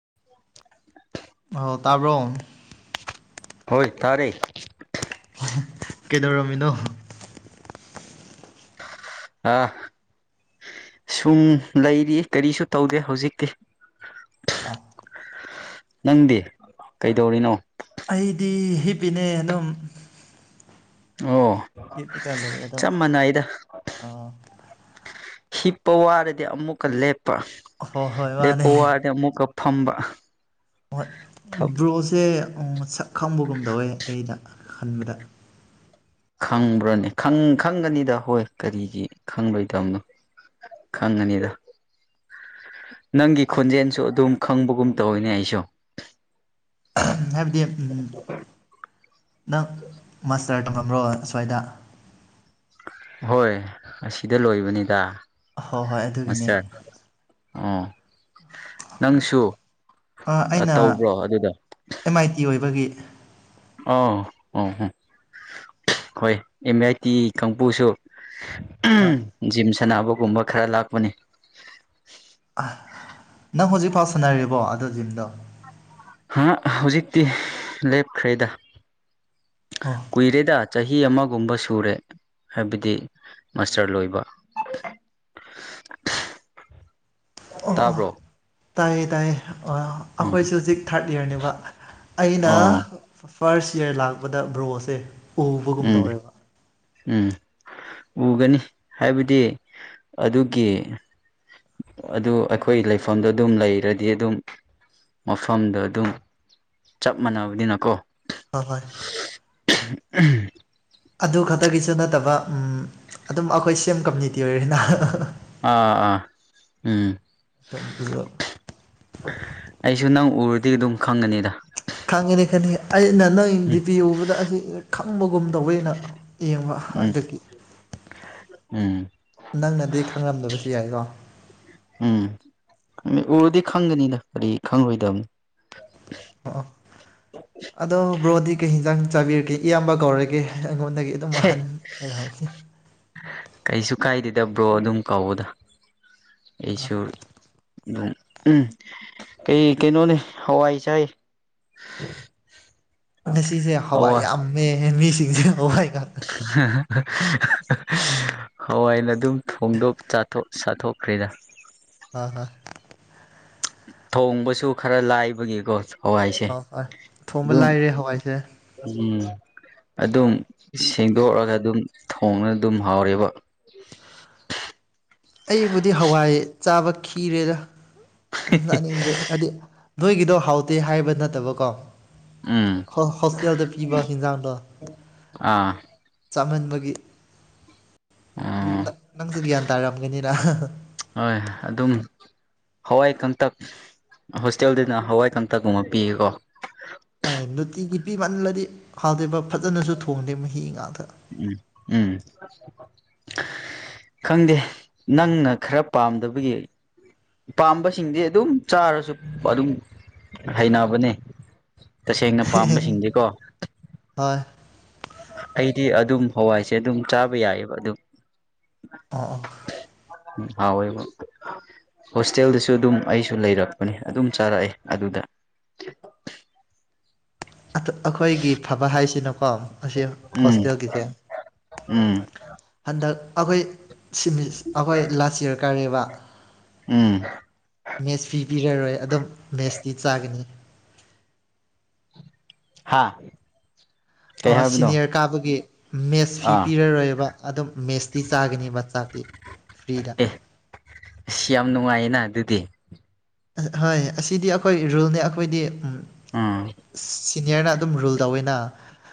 [unintelligible] ꯑꯣ ꯇꯕ꯭ꯔꯣ ꯍꯣꯏ ꯇꯔꯦ ꯀꯩꯗꯧꯔꯝꯃꯤꯅꯣ ꯑꯥ ꯁꯨꯝ ꯂꯩꯔꯤ ꯀꯔꯤꯁꯨ ꯇꯧꯗꯦ ꯍꯧꯖꯤꯛꯇꯤ ꯑꯥ ꯅꯪꯗꯤ ꯀꯩꯗꯧꯔꯤꯅꯣ ꯑꯩꯗꯤ ꯍꯤꯞꯄꯤꯅꯦ ꯑꯗꯨꯝ ꯑꯣ ꯍꯤꯞꯄꯀꯥ ꯂꯩꯌꯦ ꯑꯗꯨꯝ ꯆꯞ ꯃꯥꯟꯅꯩꯗ ꯑꯥ ꯍꯤꯞꯄ ꯋꯥꯔꯗꯤ ꯑꯃꯨꯛꯀ ꯂꯦꯞꯄ ꯍꯣꯏ ꯍꯣꯏ ꯃꯥꯅꯦ ꯂꯦꯞꯄ ꯋꯥꯔꯗꯤ ꯑꯃꯨꯛꯀ ꯐꯝꯕ ꯍꯣꯏ ꯕ꯭ꯔꯣꯁꯦ ꯎꯝ ꯃꯁꯛ ꯈꯪꯕꯒꯨꯝꯗꯧꯋꯦ ꯑꯩꯩꯅ ꯈꯟꯕꯗ ꯈꯪꯕ꯭ꯔꯅꯦ ꯈꯪ ꯈꯪꯒꯅꯤꯗ ꯍꯣꯏ ꯀꯔꯤꯒꯤ ꯈꯪꯔꯣꯏꯗꯝꯅꯣ ꯈꯪꯒꯅꯤꯗ ꯅꯪꯒꯤ ꯈꯣꯟꯖꯦꯟꯁꯨ ꯑꯗꯨꯝ ꯈꯪꯕꯒꯨꯝ ꯇꯧꯋꯦꯅꯦ ꯑꯩꯁꯨ ꯍꯥꯏꯕꯗꯤ ꯅꯪ ꯃꯥꯁꯇꯔ ꯇꯝꯃꯝꯕ꯭ꯔꯣ ꯑꯁꯨꯋꯥꯏꯗ ꯍꯣꯏ ꯑꯁꯤꯗ ꯂꯣꯏꯕꯅꯤꯗ ꯍꯣꯏ ꯍꯣꯏ ꯑꯗꯨꯒꯤꯅꯦ ꯃꯥꯁꯇꯔ ꯑꯣ ꯅꯪꯁꯨ ꯑꯥ ꯑꯩꯅ ꯇꯧꯕ꯭ꯔꯣ ꯑꯗꯨꯗ ꯑꯦꯝ ꯑꯥꯏ ꯇꯤ ꯑꯣꯏꯕꯒꯤ ꯑꯥ ꯑꯥꯍꯣ ꯍꯣꯏ ꯑꯦꯝ ꯑꯥꯏ ꯇꯤ ꯀꯥꯡꯕꯨꯁꯨ ꯎꯝ ꯖꯤꯝ ꯁꯥꯟꯅꯕꯒꯨꯝꯕ ꯈꯔ ꯂꯥꯛꯄꯅꯤ ꯅꯪ ꯍꯧꯖꯤꯛꯐꯥꯎ ꯁꯥꯟꯅꯔꯤꯕꯣ ꯑꯗꯨ ꯖꯤꯝꯗꯣ ꯍꯥ ꯍꯧꯖꯤꯛꯇꯤ ꯂꯦꯞꯈ꯭ꯔꯦꯗ ꯍꯣꯏ ꯀꯨꯏꯔꯦꯗ ꯆꯍꯤ ꯑꯃꯒꯨꯝꯕ ꯁꯨꯔꯦ ꯍꯥꯏꯕꯗꯤ ꯃꯁꯇꯔ ꯂꯣꯏꯕ [inaudible] ꯇꯕ꯭ꯔꯣ ꯇꯏꯌꯦ ꯇꯏꯌꯦ ꯑꯥ ꯑꯈꯣꯏꯁꯨ ꯍꯧꯖꯤꯛ ꯊꯥꯔꯠ ꯏꯌꯥꯔꯅꯦꯕ ꯑꯩꯅ ꯑꯣ ꯐꯥꯔꯁ ꯏꯌꯥꯔ ꯂꯥꯛꯄꯗ ꯕ꯭ꯔꯣꯁꯦ ꯎꯝ ꯎꯕꯒꯨꯝꯗꯧꯋꯦꯕ ꯎꯝ ꯎꯒꯅꯤ ꯍꯥꯏꯕꯗꯤ ꯑꯗꯨꯒꯤ ꯑꯗꯨ ꯑꯩꯈꯣꯏ ꯂꯩꯐꯝꯗ ꯑꯗꯨꯝ ꯂꯩꯔꯗꯤ ꯑꯗꯨꯝ ꯃꯐꯝꯗ ꯑꯗꯨꯝ ꯆꯞ ꯃꯥꯟꯅꯕꯅꯤꯅꯀꯣ ꯑꯥ ꯍꯣꯏ [unintelligible] ꯑꯗꯨ ꯈꯛꯇꯒꯤꯁꯨ ꯅꯠꯇꯕ ꯎꯝ ꯑꯗꯨꯝ ꯑꯈꯣꯏ ꯁꯦꯝ ꯀꯝꯃꯨꯅꯤꯇꯤ ꯑꯣꯏꯔꯦꯅ ꯑꯥ ꯑꯥ ꯎꯝ ꯑꯗꯨꯝꯁꯨ ꯑꯩꯖꯨ ꯅꯪ ꯎꯔꯗꯤ ꯑꯗꯨꯝ ꯈꯪꯒꯅꯤꯗ [unintelligible] ꯑꯩꯅ ꯅꯪ ꯗꯤ ꯎꯝ ꯄꯤ ꯎꯕꯗ ꯑꯁꯤ ꯈꯪꯕꯒꯨꯝ ꯇꯧꯑꯦꯅ ꯌꯦꯡꯕ ꯎꯝ ꯑꯗꯨꯒꯤ ꯎꯝ ꯅꯪꯅꯗꯤ ꯈꯪꯂꯝꯗꯕꯁꯨ ꯌꯥꯏꯀꯣ ꯎꯝ ꯎꯔꯥꯗꯤ ꯈꯪꯒꯅꯤꯗ ꯀꯔꯤ ꯈꯪꯉꯣꯏꯗꯕꯅꯣ ꯑꯣ ꯑꯗꯣ ꯕ꯭ꯔꯣꯗꯤ ꯀꯩ ꯌꯦꯟꯖꯥꯡ ꯆꯥꯕꯤꯔꯒꯦ ꯏꯌꯥꯝꯕ ꯀꯧꯔꯒꯦ ꯑꯩꯉꯣꯟꯗꯒꯤ ꯑꯗꯨꯝ ꯍꯦ ꯑꯍꯟ ꯑꯣꯏꯔꯕꯅꯤ ꯀꯩꯁꯨ ꯀꯥꯏꯗꯦꯗꯥ ꯕꯔꯣ ꯑꯗꯨꯝ ꯀꯧꯑꯣꯗ ꯑꯩꯁꯨ ꯎꯝ ꯀꯩ ꯀꯩ ꯅꯣꯅꯤ ꯍꯋꯥꯏ ꯆꯥꯏ ꯉꯁꯤꯁꯦ ꯍꯋꯥꯏ ꯌꯥꯝꯃꯦ ꯃꯤꯁꯤꯡꯁꯦ ꯍꯋꯥꯏ ꯉꯥꯛꯇ [unintelligible] ꯍꯋꯥꯏꯅ ꯑꯗꯨꯝ ꯐꯣꯡꯗꯣꯛ ꯆꯥꯊꯣꯛꯈ꯭ꯔꯦꯗ [unintelligible] ꯊꯣꯡꯕꯁꯨ ꯈꯔ ꯂꯥꯏꯕꯒꯤꯀꯣ ꯍꯋꯥꯏꯁꯦ ꯍꯣꯏ ꯍꯣꯏ ꯊꯣꯡꯕ ꯑꯗꯨꯝ ꯂꯥꯏꯔꯦ ꯍꯋꯥꯏꯁꯦ ꯎꯝ ꯑꯗꯨꯝ ꯁꯦꯡꯗꯣꯛꯑꯒ ꯑꯗꯨꯝ ꯊꯣꯡꯔꯒꯥ ꯑꯗꯨꯝ ꯍꯥꯎꯔꯦꯕ ꯑꯩꯕꯨꯗꯤ ꯍꯋꯥꯏ ꯆꯥꯕ ꯈꯤꯔꯦꯗ ꯎꯝ ꯆꯥꯅꯤꯡꯗ꯭ꯔꯦ ꯍꯥꯏꯗꯤ ꯅꯣꯏꯒꯤꯗꯣ ꯍꯥꯎꯇꯦ ꯍꯥꯏꯕ ꯅꯠꯇꯕꯀꯣ ꯎꯝ ꯍ ꯍꯣꯁꯇꯦꯜꯗ ꯄꯤꯕ ꯍꯦꯟꯖꯥꯡꯗꯣ ꯑꯥ ꯆꯥꯃꯟꯕꯒꯤ ꯎꯝ ꯅꯪꯁꯨ ꯒ꯭ꯌꯥꯟ ꯇꯥꯔꯝꯒꯅꯤꯗ ꯍꯣꯏ ꯑꯗꯨꯝ ꯍꯋꯥꯏ ꯀꯥꯡꯇꯛ ꯍꯣꯁꯇꯦꯜꯅꯤꯅ ꯍꯋꯥꯏ ꯀꯥꯡꯇꯛꯀꯨꯝꯕ ꯄꯤꯌꯦꯀꯣ ꯍꯣꯏ ꯅꯨꯡꯇꯤꯒꯤ ꯄꯤꯃꯜꯂꯗꯤ ꯍꯥꯎꯇꯦꯕ ꯐꯖꯅꯁꯨ ꯊꯣꯡꯗꯦ ꯃꯍꯤ ꯉꯥꯛꯗ [unintelligible] ꯈꯪꯗꯦ ꯅꯪꯅ ꯈꯔ ꯄꯥꯝꯗꯕꯒꯤ ꯄꯥꯝꯕꯁꯤꯡꯗꯤ ꯑꯗꯨꯝ ꯆꯥꯔꯁꯨ ꯑꯗꯨꯝ ꯍꯩꯅꯕꯅꯦ ꯇꯁꯦꯡꯅ ꯄꯥꯝꯕꯁꯤꯡꯗꯤꯀꯣ ꯍꯣꯏ ꯑꯩꯗꯤ ꯑꯗꯨꯝ ꯍꯋꯥꯏꯁꯦ ꯑꯗꯨꯝ ꯆꯥꯕ ꯌꯥꯏꯌꯦꯕ ꯑꯗꯨꯝ ꯑꯑꯣ ꯍꯥꯎꯌꯦꯕꯥ ꯍꯣꯁꯇꯦꯜꯗꯁꯨ ꯑꯗꯨꯝ ꯑꯩꯁꯨ ꯂꯩꯔꯛꯄꯅꯤ ꯑꯗꯨꯝ ꯆꯥꯔꯛꯑꯦ ꯑꯗꯨꯗ [inaudible] ꯑꯩꯈꯣꯏꯒꯤ ꯐꯕ ꯍꯥꯏꯁꯤꯅꯀꯣ ꯑꯁꯤ ꯎꯝ ꯍꯣꯁꯇꯦꯜꯒꯤꯁꯦ ꯎꯝ ꯍꯟꯗꯛ ꯑꯩꯈꯣꯏ ꯑꯩꯈꯣꯏ ꯂꯥꯁ ꯌꯔ ꯀꯥꯔꯤꯌꯦꯕ ꯎꯝ ꯃꯦꯁ ꯐꯤ ꯄꯤꯔꯔꯣꯏ ꯑꯗꯨꯝ ꯃꯦꯁꯇꯤ ꯆꯥꯒꯅꯤ ꯍꯥꯥ ꯁꯤꯅꯤꯌꯔ ꯀꯥꯕꯒꯤ ꯃꯦꯁ ꯐꯤ ꯑꯥ ꯄꯤꯔꯔꯣꯏꯕ ꯑꯗꯨꯝ ꯃꯦꯁꯇꯤ ꯆꯥꯒꯅꯤꯕ ꯆꯥꯛꯇꯤ ꯐ꯭ꯔꯤꯗ ꯑꯦ ꯑꯁ ꯌꯥꯝ [unintelligible] ꯍꯣꯏ ꯑꯁꯤꯗꯤ ꯑꯩꯈꯣꯏꯒꯤ ꯔꯨꯜꯅꯦ ꯑꯩꯈꯣꯏꯗꯤ ꯎꯝ ꯁꯤꯅꯤꯌꯔꯅ ꯑꯗꯨꯝ ꯔꯨꯜ ꯇꯧꯋꯤꯅ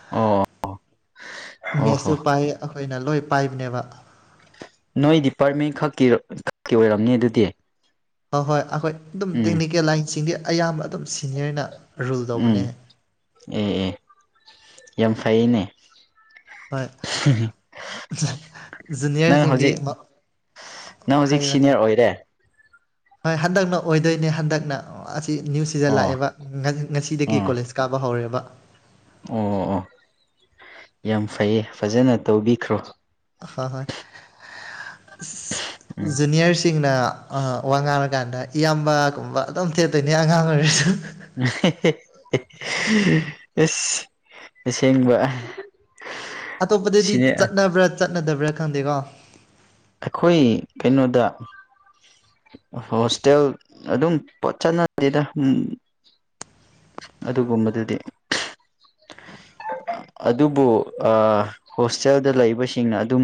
ꯑꯣ ꯑꯣ ꯍꯣ ꯃꯦꯁꯁꯨ ꯄꯥꯏ ꯑꯩꯈꯣꯏꯅ ꯂꯣꯏ ꯄꯥꯏꯕꯅꯦꯕ ꯅꯣꯏ ꯗꯤꯄꯥꯔꯠꯃꯦꯟꯠ ꯈꯛꯀꯤ ꯈꯛꯀꯤ ꯑꯣꯏꯔꯝꯅꯤ ꯑꯗꯨꯗꯤ ꯍꯣꯏ ꯍꯣꯏ ꯑꯩꯈꯣꯏ ꯑꯗꯨꯝ ꯎꯝ ꯇꯦꯛꯅꯤꯀꯦꯜ ꯂꯥꯏꯟꯁꯤꯡꯗꯤ ꯑꯌꯥꯝꯕ ꯑꯗꯨꯝ ꯁꯤꯅꯤꯌꯔꯅ ꯔꯨꯜ ꯎꯝ ꯇꯧꯕꯅꯦ ꯑꯦ ꯑꯦ ꯌꯥꯝ ꯐꯩꯌꯦꯅꯦ ꯍꯣꯏ ꯅꯪ ꯖꯨꯅꯤꯌꯔꯁꯤꯡꯗꯤ ꯍꯧꯖꯤꯛ ꯃ ꯅꯪ ꯍꯧꯖꯤꯛ ꯁꯤꯅꯤꯌꯔ ꯑꯣꯏꯔꯦ ꯍꯣꯏ ꯍꯟꯗꯛꯅ ꯑꯣꯏꯗꯣꯏꯅꯦ ꯍꯟꯗꯛꯅ ꯁꯤ ꯅ꯭ꯌꯨ ꯁꯤꯖꯟ ꯑꯣ ꯂꯥꯛꯑꯦꯕ ꯉꯁꯤꯗꯒꯤ ꯑꯥ ꯀꯣꯂꯦꯖ ꯀꯥꯕ ꯍꯧꯔꯦꯕ ꯑꯣ ꯑꯣ ꯌꯥꯝ ꯐꯩꯌꯦ ꯐꯖꯅ ꯇꯧꯕꯤꯈ꯭ꯔꯣ ꯍꯣꯏ ꯍꯣꯏ ꯎꯝ ꯖꯨꯅꯤꯌꯔꯁꯤꯡꯅ ꯑꯥ ꯋꯥ ꯉꯥꯡꯂꯀꯥꯟꯗ ꯏꯌꯥꯝꯕꯒꯨꯝꯕ ꯑꯗꯨꯝ ꯊꯦꯠꯇꯣꯏꯅꯦ ꯑꯉꯥꯡ ꯑꯣꯏꯔꯁꯨ ꯑꯁ ꯑꯁꯦꯡꯕ ꯑꯇꯣꯞꯄꯗꯗꯤ ꯁꯤꯅꯦ ꯆꯠꯅꯕ꯭ꯔꯥ ꯆꯠꯅꯗꯕ꯭ꯔꯥ ꯈꯪꯗꯦꯀꯣ ꯑꯩꯈꯣꯏ ꯀꯩꯅꯣꯗ ꯍꯣꯁꯇꯦꯜ ꯑꯗꯨꯝ ꯄꯣꯠ ꯆꯠꯅꯗꯦꯗ ꯑꯗꯨꯒꯨꯝꯕꯗꯨꯗꯤ [inaudible] ꯑꯗꯨꯕꯨ ꯍꯣꯁꯇꯦꯜꯗ ꯂꯩꯕꯁꯤꯡꯅ ꯑꯗꯨꯝ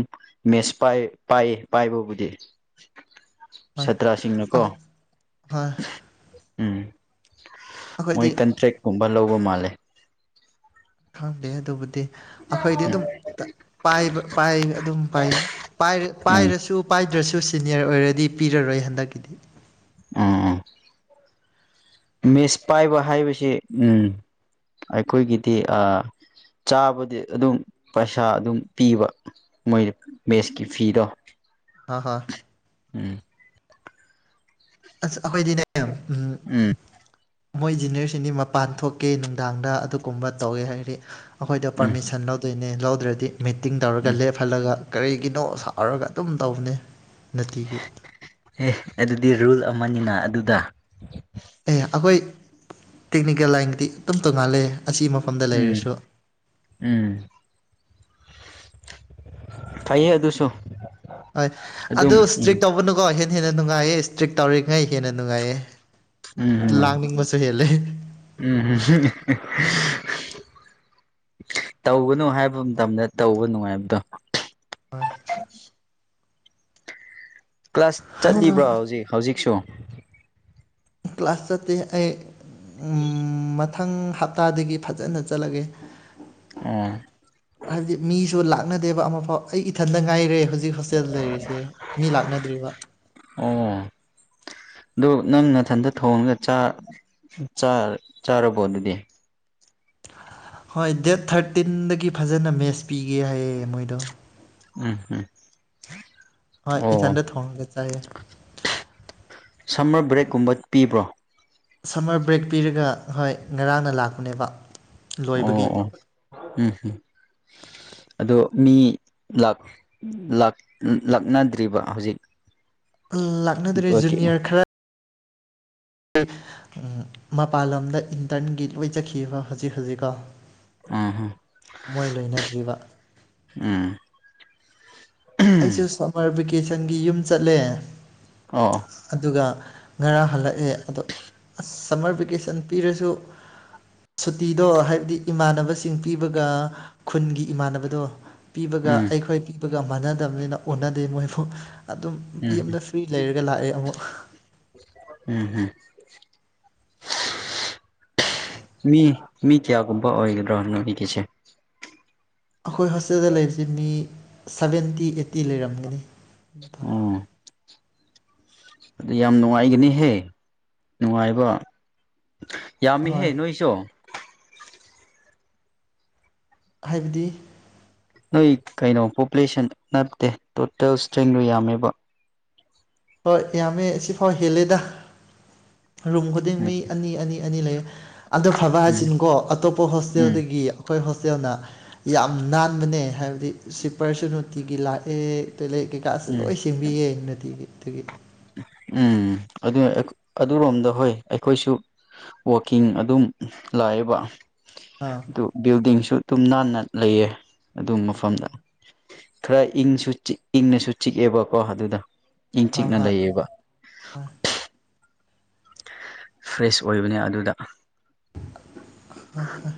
ꯃꯦꯁꯄꯥꯏ ꯄꯥꯏ ꯄꯥꯏꯕꯕꯨꯗꯤ ꯍꯣꯏ ꯑ- ꯁꯠꯇ꯭ꯔꯁꯤꯡꯅꯀꯣ ꯍꯣꯏ ꯎꯝ ꯃꯣꯏ ꯑꯩꯈꯣꯏꯗꯤ ꯀꯟꯇ꯭ꯔꯦꯛꯀꯨꯝꯕ ꯂꯧꯕ ꯃꯥꯜꯂꯦ ꯈꯪꯗꯦ ꯑꯗꯨꯕꯨꯗꯤ ꯑꯩꯈꯣꯏꯗꯤ ꯑꯗꯨꯝ ꯄꯥꯏ ꯄꯥꯏ ꯑꯗꯨꯝ ꯄꯥꯏ ꯎꯝ ꯄꯥꯏꯔꯁꯨ ꯄꯥꯏ ꯇ꯭ꯔꯁꯨ ꯁꯤꯅꯤꯌꯔ ꯑꯣꯏꯔꯗꯤ ꯄꯤꯔꯔꯣꯏ ꯍꯟꯗꯛꯀꯤꯗꯤ ꯎꯝ ꯃꯦꯁ ꯄꯥꯏꯕ ꯍꯥꯏꯕꯁꯤ ꯎꯝ ꯑꯩꯈꯣꯏꯒꯤꯗꯤ ꯑꯥ ꯆꯥꯕꯗꯤ ꯑꯗꯨꯝ ꯄꯩꯁꯥ ꯑꯗꯨꯝ ꯄꯤꯕ ꯃꯣꯏ ꯃꯦꯁꯀꯤ ꯐꯤꯗꯣ ꯑꯥ ꯍꯥ ꯎꯝ ꯑꯁ ꯑꯩꯈꯣꯏꯗꯤꯅꯦ ꯎꯝ ꯎꯝ ꯃꯣꯏ ꯏꯖꯤꯅꯤꯌꯔꯁꯤꯗꯤ ꯃꯄꯥꯟ ꯊꯣꯛꯀꯦ ꯅꯨꯡꯗꯥꯡꯗ ꯑꯗꯨꯒꯨꯝꯕ ꯇꯧꯋꯦ ꯍꯥꯏꯗꯤ ꯑꯩꯈꯣꯏꯗ ꯎꯝ ꯄꯔꯃꯤꯁꯟ ꯂꯧ ꯑꯗꯨꯏꯅꯦ ꯂꯧꯗ꯭ꯔꯗꯤ ꯃꯤꯇꯤꯡ ꯇꯧꯔꯒ ꯎꯝ ꯂꯦꯞꯍꯜꯂꯒ ꯀꯔꯤꯒꯤꯅꯣ ꯁꯥꯎꯔꯒ ꯑꯗꯨꯝ ꯇꯧꯕꯅꯦ ꯅꯨꯡꯇꯤꯒꯤ ꯑꯦ ꯑꯗꯨꯗꯤ ꯔꯨꯜ ꯑꯃꯅꯤꯅ ꯑꯗꯨꯗ ꯑꯦ ꯑꯩꯈꯣꯏ ꯇꯦꯛꯅꯤꯀꯦꯜ ꯂꯥꯏꯟꯒꯤꯗꯤ ꯑꯗꯨꯝ ꯇꯣꯉꯥꯟꯜꯂꯦ ꯑꯁꯤ ꯃꯐꯝꯗ ꯎꯝ ꯂꯩꯔꯁꯨ ꯎꯝ ꯐꯩꯌꯦ ꯑꯗꯨꯁꯨ ꯍꯣꯏ ꯑꯗꯨꯝ ꯑꯗꯨ ꯎꯝ ꯏꯁꯇ꯭ꯔꯤꯛ ꯇꯧꯒꯅꯨꯀꯣ ꯍꯦꯟꯅ ꯍꯦꯟꯅ ꯅꯨꯡꯉꯥꯏꯌꯦ ꯏꯁꯇ꯭ꯔꯤꯛ ꯇꯧꯔꯤꯈꯩ ꯍꯦꯟꯅ ꯅꯨꯡꯉꯥꯏꯌꯦ ꯎꯝ ꯂꯥꯡꯅꯤꯡꯕꯁꯨ ꯍꯦꯜꯂꯦ ꯎꯝ ꯍꯨ ꯎꯝ ꯇꯧꯒꯅꯨ ꯍꯥꯏꯕ ꯃꯇꯝꯗ ꯇꯧꯕ ꯅꯨꯡꯉꯥꯏꯕꯗꯣ ꯍꯣꯏ ꯀ꯭ꯂꯥꯁ ꯆꯠꯂꯤꯕ꯭ꯔꯣ ꯍꯧꯖꯤꯛ ꯍꯧꯖꯤꯛꯁꯨ ꯀ꯭ꯂꯥꯁ ꯆꯠꯇꯦ ꯑꯩ ꯎꯝ ꯃ ꯃꯊꯪ ꯍꯞꯇꯥꯗꯒꯤ ꯐꯖꯅ ꯆꯠꯂꯒꯦ ꯑꯣ ꯍꯥꯏꯕꯗꯤ ꯃꯤꯁꯨ ꯂꯥꯛ ꯂꯥꯛꯅꯗꯦꯕ ꯑꯃꯐꯥꯎ ꯑꯩ ꯏꯊꯟꯗ ꯉꯥꯏꯔꯦ ꯍꯧꯖꯤꯛ ꯍꯣꯁꯇꯦꯜ ꯂꯩꯔꯤꯁꯦ ꯃꯤ ꯂꯥꯛꯅꯗ꯭ꯔꯤꯕ ꯑꯣ ꯑꯗꯨ ꯅꯪ ꯅꯊꯟꯗ ꯊꯣꯡꯉꯒ ꯆꯥ ꯆꯥꯔꯕꯣ ꯑꯗꯨꯗꯤ ꯍꯣꯏ ꯗꯦꯠ ꯊꯥꯔꯇꯤꯟꯗꯒꯤ ꯐꯖꯅ ꯃꯦꯠꯁ ꯄꯤꯒꯦ ꯍꯥꯏꯌꯦ ꯃꯣꯏꯗꯣ ꯎꯝ ꯎꯝ ꯍꯣꯏ ꯑꯣ ꯏꯊꯟꯗ ꯊꯣꯡꯉꯒ ꯆꯥꯏꯌꯦ ꯁꯝꯃꯔ ꯕ꯭ꯔꯦꯛ ꯀꯨꯝꯕ ꯄꯤꯕ꯭ꯔꯣ ꯁꯝꯃꯔ ꯕ꯭ꯔꯦꯛ ꯄꯤꯔꯒ ꯍꯣꯏ ꯉꯔꯥꯡꯅ ꯂꯥꯛꯄꯅꯦꯕ ꯑꯣ ꯂꯣꯏꯕꯒꯤ ꯑꯣ ꯎꯝꯝ ꯑꯗꯣ ꯃꯤ ꯂꯥꯛ ꯂꯥꯛꯅꯗ꯭ꯔꯤꯕ ꯍꯧꯖꯤꯛ ꯂꯥꯛꯅꯗ꯭ꯔꯤ ꯑꯣꯀꯦ ꯖꯨꯅꯤꯌꯔ ꯈꯔ ꯃꯄꯜ ꯂꯝꯗ ꯏꯟꯇꯔꯟꯒꯤ ꯂꯣꯏ ꯆꯈꯤꯕ ꯍꯧꯖꯤꯛ ꯍꯧꯖꯤꯛꯀꯣ ꯎꯝ ꯃꯣꯏ ꯂꯩꯅꯗ꯭ꯔꯤꯕ ꯎꯝ ꯑꯩꯁꯨ ꯁꯝꯃꯔ ꯚꯦꯀꯦꯁꯟꯒꯤ ꯌꯨꯝ ꯆꯠꯂꯦ ꯑꯣ ꯑꯗꯨꯒ ꯉꯔꯥꯡ ꯍꯜꯂꯛꯑꯦ ꯑꯗꯣ ꯑꯁ ꯁꯝꯃꯔ ꯚꯦꯀꯦꯁꯟ ꯄꯤꯔꯁꯨ ꯁꯨꯇꯤꯗꯣ ꯍꯥꯏꯕꯗꯤ ꯏꯃꯥꯟꯅꯕꯁꯤꯡ ꯄꯤꯕꯒ ꯈꯨꯟꯒꯤ ꯏꯃꯥꯟꯅꯕꯗꯣ ꯄꯤꯕꯒ ꯎꯝ ꯑꯩꯈꯣꯏ ꯄꯤꯕꯒ ꯃꯥꯟꯅꯗꯕꯅꯤꯅ ꯑꯣꯟꯅꯗꯦ ꯃꯣꯏꯐꯧ ꯑꯗꯨꯝ ꯎꯝ ꯌꯨꯝꯗ ꯐ꯭ꯔꯤ ꯂꯩꯔꯒ ꯂꯥꯛꯑꯦ ꯑꯃꯨꯛ ꯎꯝ ꯎꯝ ꯃꯤ ꯃꯤ ꯀꯌꯥꯒꯨꯝꯕ ꯑꯣꯏꯒꯗ꯭ꯔꯥ ꯅꯣꯏꯒꯤꯁꯦ ꯑꯩꯈꯣꯏ ꯍꯣꯁꯇꯦꯜꯗ ꯂꯩꯕꯁꯤ ꯃꯤ ꯁꯕꯦꯟꯇꯤ ꯑꯩꯠꯇꯤ ꯂꯩꯔꯝꯒꯅꯤ ꯎꯝ ꯑꯗꯨ ꯌꯥꯝ ꯅꯨꯡꯉꯥꯏꯒꯅꯤꯍꯦ ꯅꯨꯡꯉꯥꯏꯕ ꯌꯥꯝꯃꯤꯍꯦ ꯍꯣꯏ ꯅꯣꯏꯁꯨ ꯍꯥꯏꯕꯗꯤ ꯅꯣꯏ ꯀꯩꯅꯣ ꯄꯣꯄꯨꯂꯦꯁꯟ ꯅꯠꯇꯦ ꯇꯣꯇꯦꯜ ꯏꯁꯇ꯭ꯔꯦꯡꯗꯣ ꯌꯥꯝꯃꯦꯕ ꯍꯣꯏ ꯌꯥꯝꯃꯦ ꯁꯤꯐꯥꯎ ꯍꯦꯜꯂꯦꯗ ꯔꯨꯝ ꯈꯨꯗꯤꯡ ꯃꯤ ꯎꯝ ꯑꯅꯤ ꯑꯅꯤ ꯑꯅꯤ ꯂꯩ ꯑꯗꯣ ꯐꯕ ꯍꯥꯏꯁꯤꯅꯨꯀꯣ ꯑꯇꯣꯞꯄ ꯎꯝ ꯎꯝ ꯍꯣꯁꯇꯦꯜꯗꯒꯤ ꯑꯩꯈꯣꯏ ꯍꯣꯁꯇꯦꯜꯅ ꯌꯥꯝ ꯅꯥꯟꯕꯅꯦ ꯍꯥꯏꯕꯗꯤ ꯁꯤꯄꯔꯁꯨꯨ ꯅꯣꯇꯤꯒꯤ ꯂꯥꯛꯑꯦ ꯇꯣꯏꯂꯦꯠ ꯀꯩꯀꯥꯁꯨ ꯎꯝ ꯂꯣꯏ ꯁꯦꯝꯕꯤꯌꯦ ꯅꯨꯡꯇꯤꯒꯤ ꯑꯗꯨꯒꯤ ꯎꯝ ꯑꯗꯨ ꯑꯗꯨꯔꯣꯝꯗ ꯍꯣꯏ ꯑꯩꯈꯣꯏꯁꯨ ꯋꯥꯋꯀꯤꯡ ꯑꯗꯨꯝ ꯂꯥꯛꯑꯦꯕ ꯑꯥ ꯑꯗꯨ ꯕꯤꯜꯗꯤꯡꯁꯨ ꯑꯗꯨꯝ ꯅꯥꯟꯅ ꯂꯩꯌꯦ ꯑꯗꯨ ꯃꯐꯝꯗ ꯈꯔ ꯏꯪꯁꯨ ꯏꯪꯅꯁꯨ ꯆꯤꯛꯑꯦꯕꯀꯣ ꯑꯗꯨꯗ ꯏꯪ ꯍꯣꯏ ꯆꯤꯛꯅ ꯍꯣꯏ ꯂꯩꯌꯦꯕ ꯐ꯭ꯔꯦꯁ ꯑꯣꯏꯕꯅꯦ ꯑꯗꯨꯗ ꯍꯥꯍꯥ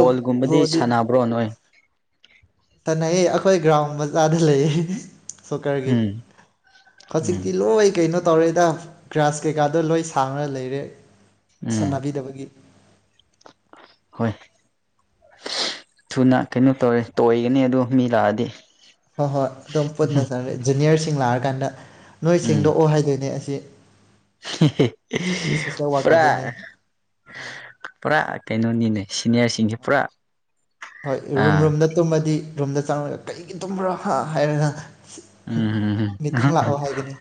ꯕꯣꯜꯒꯨꯝꯕꯗꯤ ꯁꯥꯟꯅꯕ꯭ꯔꯣ ꯑꯣꯏ ꯁꯥꯟꯅꯩꯌꯦ ꯑꯩꯈꯣꯏ ꯒ꯭ꯔꯥꯎꯟ ꯃꯆꯥꯗ ꯂꯩꯌꯦ ꯁꯣꯀꯔꯒꯤ ꯎꯝ ꯎꯝ ꯍꯧꯖꯤꯛꯇꯤ ꯂꯣꯏ ꯀꯩꯅꯣ ꯇꯧꯔꯦꯗ ꯒ꯭ꯔꯌꯥꯥꯁ ꯀꯩꯀꯥꯗꯣ ꯂꯣꯏ ꯁꯥꯡꯅ ꯂꯩꯔꯦ ꯎꯝ ꯁꯥꯟꯅꯥꯕꯤꯗꯕꯒꯤ ꯍꯣꯏ ꯊꯨꯅ ꯀꯩꯅꯣ ꯇꯧꯔꯦ ꯇꯣꯏꯒꯅꯤ ꯑꯗꯨꯗꯣ ꯃꯤ ꯂꯥꯛꯑꯗꯤ ꯍꯣꯏ ꯍꯣꯏ ꯑꯗꯨꯝ ꯄꯨꯟꯅ ꯆꯠꯔꯦ ꯖꯨꯅꯤꯌꯔꯁꯤꯡ ꯂꯥꯛꯑꯀꯥꯟꯗ ꯅꯣꯏ ꯎꯝ ꯁꯦꯡꯗꯣꯛꯑꯣ ꯍꯥꯏꯗꯣꯏꯅꯦ ꯑꯁ [unintelligible] ꯋꯥꯔꯛ ꯇꯧꯗꯣꯏꯅꯤ ꯄꯨꯔꯥ ꯄꯨꯔꯥ ꯀꯩꯅꯣꯅꯤꯅꯦ ꯁꯤꯅꯤꯌꯔꯁꯤꯡꯁꯦ ꯄꯨꯔꯥ ꯍꯣꯏ ꯔꯨꯝ ꯑꯥ ꯔꯨꯝꯗ ꯇꯨꯝꯃꯗꯤ ꯔꯣꯝꯗ ꯆꯪꯉꯒ ꯀꯩꯒꯤ ꯇꯨꯝꯕ꯭ꯔꯣ ꯍꯥꯏꯔꯒ ꯎꯝ ꯃꯤꯇꯤꯡ ꯂꯥꯛꯑꯣ ꯍꯥꯏꯒꯅꯤ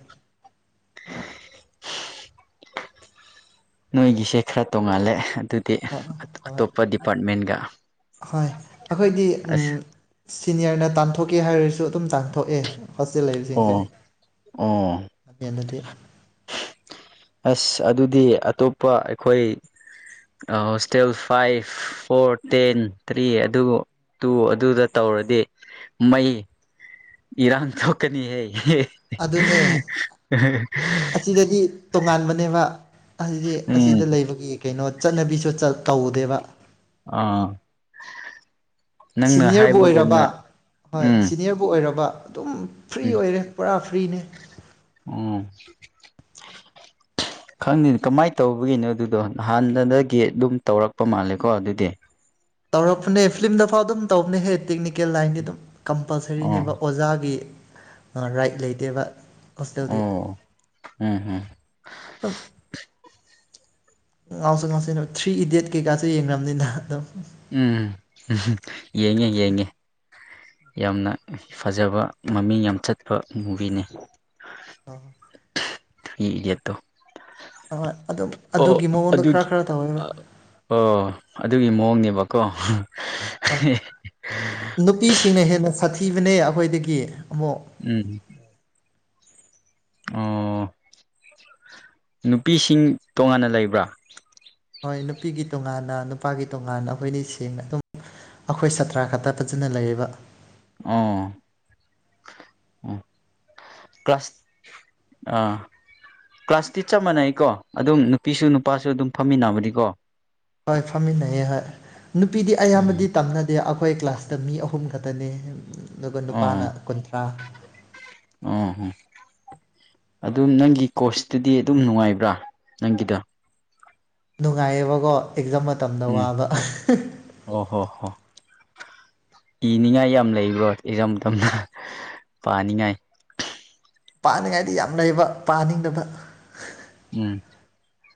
ꯅꯣꯏꯒꯤꯁꯦ ꯈꯔ ꯇꯣꯡꯉꯥꯜꯂꯦ ꯑꯗꯨꯗꯤ ꯑ ꯍꯣꯏ ꯑꯇꯣꯞꯄ ꯗꯤꯄꯥꯔꯠꯃꯦꯟꯒ ꯍꯣꯏ ꯑꯩꯈꯣꯏꯗꯤ ꯎꯝ ꯑꯁ ꯁꯤꯅꯤꯌꯔꯅ ꯇꯥꯟꯊꯣꯛꯀꯦ ꯍꯥꯏꯔꯁꯨ ꯑꯗꯨꯝ ꯇꯥꯟꯊꯣꯛꯑꯦ ꯍꯣꯁꯇꯦꯜ ꯂꯩꯕꯁꯤꯡꯁꯦ ꯑꯣ ꯑꯣ ꯌꯥꯅꯗꯦ ꯑꯁ ꯑꯗꯨꯗꯤ ꯑꯇꯣꯞꯄ ꯑꯩꯈꯣꯏ hostel five four ten three ꯑꯗꯨꯕꯨ ꯇꯨ ꯑꯗꯨꯗ ꯇꯧꯔꯗꯤ ꯃꯩ ꯏꯔꯥꯡ ꯊꯣꯛꯀꯅꯤꯍꯦ ꯑꯗꯨꯅꯦ ꯑꯁꯤꯗꯗꯤ [unintelligible] ꯇꯣꯉꯥꯟꯕꯅꯦꯕ ꯍꯥꯏꯗꯤ ꯎꯝ ꯑꯁꯤꯗ ꯂꯩꯕꯒꯤ ꯀꯩꯅꯣ ꯆꯠꯅꯕꯤꯁꯨ ꯇꯧꯗꯦꯕ ꯑꯥ ꯅꯪꯅ ꯁꯤꯅꯤꯌꯔꯕꯨ ꯑꯣꯏꯔꯕ ꯍꯥꯏꯕꯒꯨꯝꯅ ꯍꯣꯏ ꯎꯝ ꯁꯤꯅꯤꯌꯔꯕꯨ ꯑꯣꯏꯔꯕ ꯑꯗꯨꯝ ꯐ꯭ꯔꯤ ꯎꯝ ꯑꯣꯏꯔꯦ ꯄꯨꯔꯥ ꯐ꯭ꯔꯤꯅꯦ ꯎꯝ [inaudible] ꯈꯪꯗꯦꯅꯦ ꯀꯃꯥꯏꯅ ꯇꯧꯕꯒꯤꯅꯣ ꯑꯗꯨꯗꯣ ꯍꯍꯥꯟꯅꯗꯒꯤ ꯑꯗꯨꯝ ꯇꯧꯔꯛꯄ ꯃꯥꯜꯂꯦꯀꯣ ꯑꯗꯨꯗꯤ ꯇꯧꯔꯛꯄꯅꯦ ꯐꯤꯂꯝꯗꯐꯥꯎ ꯑꯗꯨꯝ ꯇꯧꯕꯅꯦꯍꯦ ꯇꯦꯛꯅꯤꯀꯦꯜ ꯂꯥꯏꯟꯗꯤ ꯑꯗꯨꯝ ꯑꯣ ꯀꯝꯄꯜꯁꯔꯤꯅꯦꯕ ꯑꯣꯖꯥꯒꯤ ꯔꯥꯏꯠ ꯂꯩꯗꯦꯕ ꯑꯣ ꯎꯝ ꯎꯝ ꯑꯗꯨꯝ ꯉꯥꯎꯁꯨ ꯉꯥꯎꯁꯅꯦ ꯊ꯭ꯔꯤ ꯏꯗꯤꯌꯠ ꯀꯩꯀꯥꯁꯨ ꯌꯦꯡꯔꯝꯅꯤꯅ ꯑꯗꯨꯝ ꯎꯝ ꯌꯦꯡꯉꯦ ꯌꯦꯡꯉꯦ ꯌꯥꯝꯅ ꯐꯖꯕ ꯃꯃꯤꯡ ꯌꯥꯝ ꯆꯠꯄ ꯃꯨꯚꯤꯅꯤ ꯑ ꯊ꯭ꯔꯤ ꯏꯗꯤꯌꯠꯇꯣ ꯍꯣꯏ ꯑꯗꯨꯝ ꯑꯣ ꯑꯗꯨꯒꯤ ꯃꯑꯣꯡꯗ ꯈꯔ ꯑꯗꯨꯒꯤ ꯈꯔ ꯇꯧꯋꯦꯕ ꯑꯣ ꯑꯗꯨꯒꯤ ꯃꯑꯣꯡꯅꯦꯕ ꯕꯀꯣ ꯍ ꯅꯨꯄꯤꯁꯤꯡꯅ ꯍꯦꯟꯅ ꯁꯥꯊꯤꯕꯅꯦ ꯑꯩꯈꯣꯏꯗꯒꯤ ꯑꯃꯨꯛ ꯎꯝ ꯑꯣ ꯅꯨꯄꯤꯁꯤꯡ ꯇꯣꯉꯥꯟꯅ ꯂꯩꯕ꯭ꯔꯥ ꯍꯣꯏ ꯅꯨꯄꯤꯒꯤ ꯇꯣꯉꯥꯟꯅ ꯅꯨꯄꯥꯒꯤ ꯇꯣꯉꯥꯟꯅ ꯑꯩꯈꯣꯏꯗꯤ ꯁꯦꯡꯅ ꯑꯗꯨꯝ ꯑꯩꯈꯣꯏ ꯁꯥꯇ꯭ꯔ ꯈꯛꯇ ꯐꯖꯅ ꯂꯩꯔꯤꯕ ꯑꯣ ꯎ ꯀ꯭ꯂꯥꯁ ꯑꯥ ꯀ꯭ꯂꯥꯁ ꯇꯤ ꯆꯞ ꯃꯥꯟꯅꯩꯀꯣ ꯑꯗꯨꯝ ꯅꯨꯄꯤꯁꯨ ꯅꯨꯄꯥꯁꯨ ꯑꯗꯨꯝ ꯐꯝꯃꯤꯟꯅꯕꯅꯤꯀꯣ ꯍꯣꯏ ꯐꯝꯃꯤꯟꯅꯩ ꯍꯣꯏ ꯅꯨꯄꯤꯗꯤ ꯎꯝ ꯑꯌꯥꯝꯕꯗꯤ ꯇꯝꯅꯗꯦ ꯑꯩꯈꯣꯏ ꯀ꯭ꯂꯥꯁꯇ ꯃꯤ ꯑꯍꯨꯝ ꯈꯛꯇꯅꯤ ꯑꯗꯨꯒ ꯑꯣ ꯅꯨꯄꯥꯅ ꯀꯨꯟꯊ꯭ꯔꯥ ꯑꯣ ꯍꯣ ꯑꯗꯨꯝ ꯅꯪꯒꯤ ꯀꯣ꯭ꯔꯁꯇꯨꯗꯤ ꯑꯗꯨꯝ ꯅꯨꯡꯉꯥꯏꯕ꯭ꯔꯥ ꯅꯪꯒꯤꯗꯣ ꯅꯨꯡꯉꯥꯏꯌꯦꯕꯀꯣ ꯑꯦꯛꯖꯥꯝ ꯃꯇꯝꯗ ꯎꯝ ꯋꯥꯕ ꯑꯣ ꯍꯣ ꯍꯣ [inaudible] ꯏꯅꯤꯡꯉꯥꯏ ꯌꯥꯝ ꯂꯩꯕ꯭ꯔꯣ ꯏꯖꯥꯝ ꯃꯇꯝꯗ ꯄꯥꯅꯤꯡꯉꯥꯏ ꯄꯥꯅꯤꯡꯉꯥꯏꯗꯤ ꯌꯥꯝ ꯂꯩꯕ ꯄꯥꯅꯤꯡꯗꯕ ꯎꯝ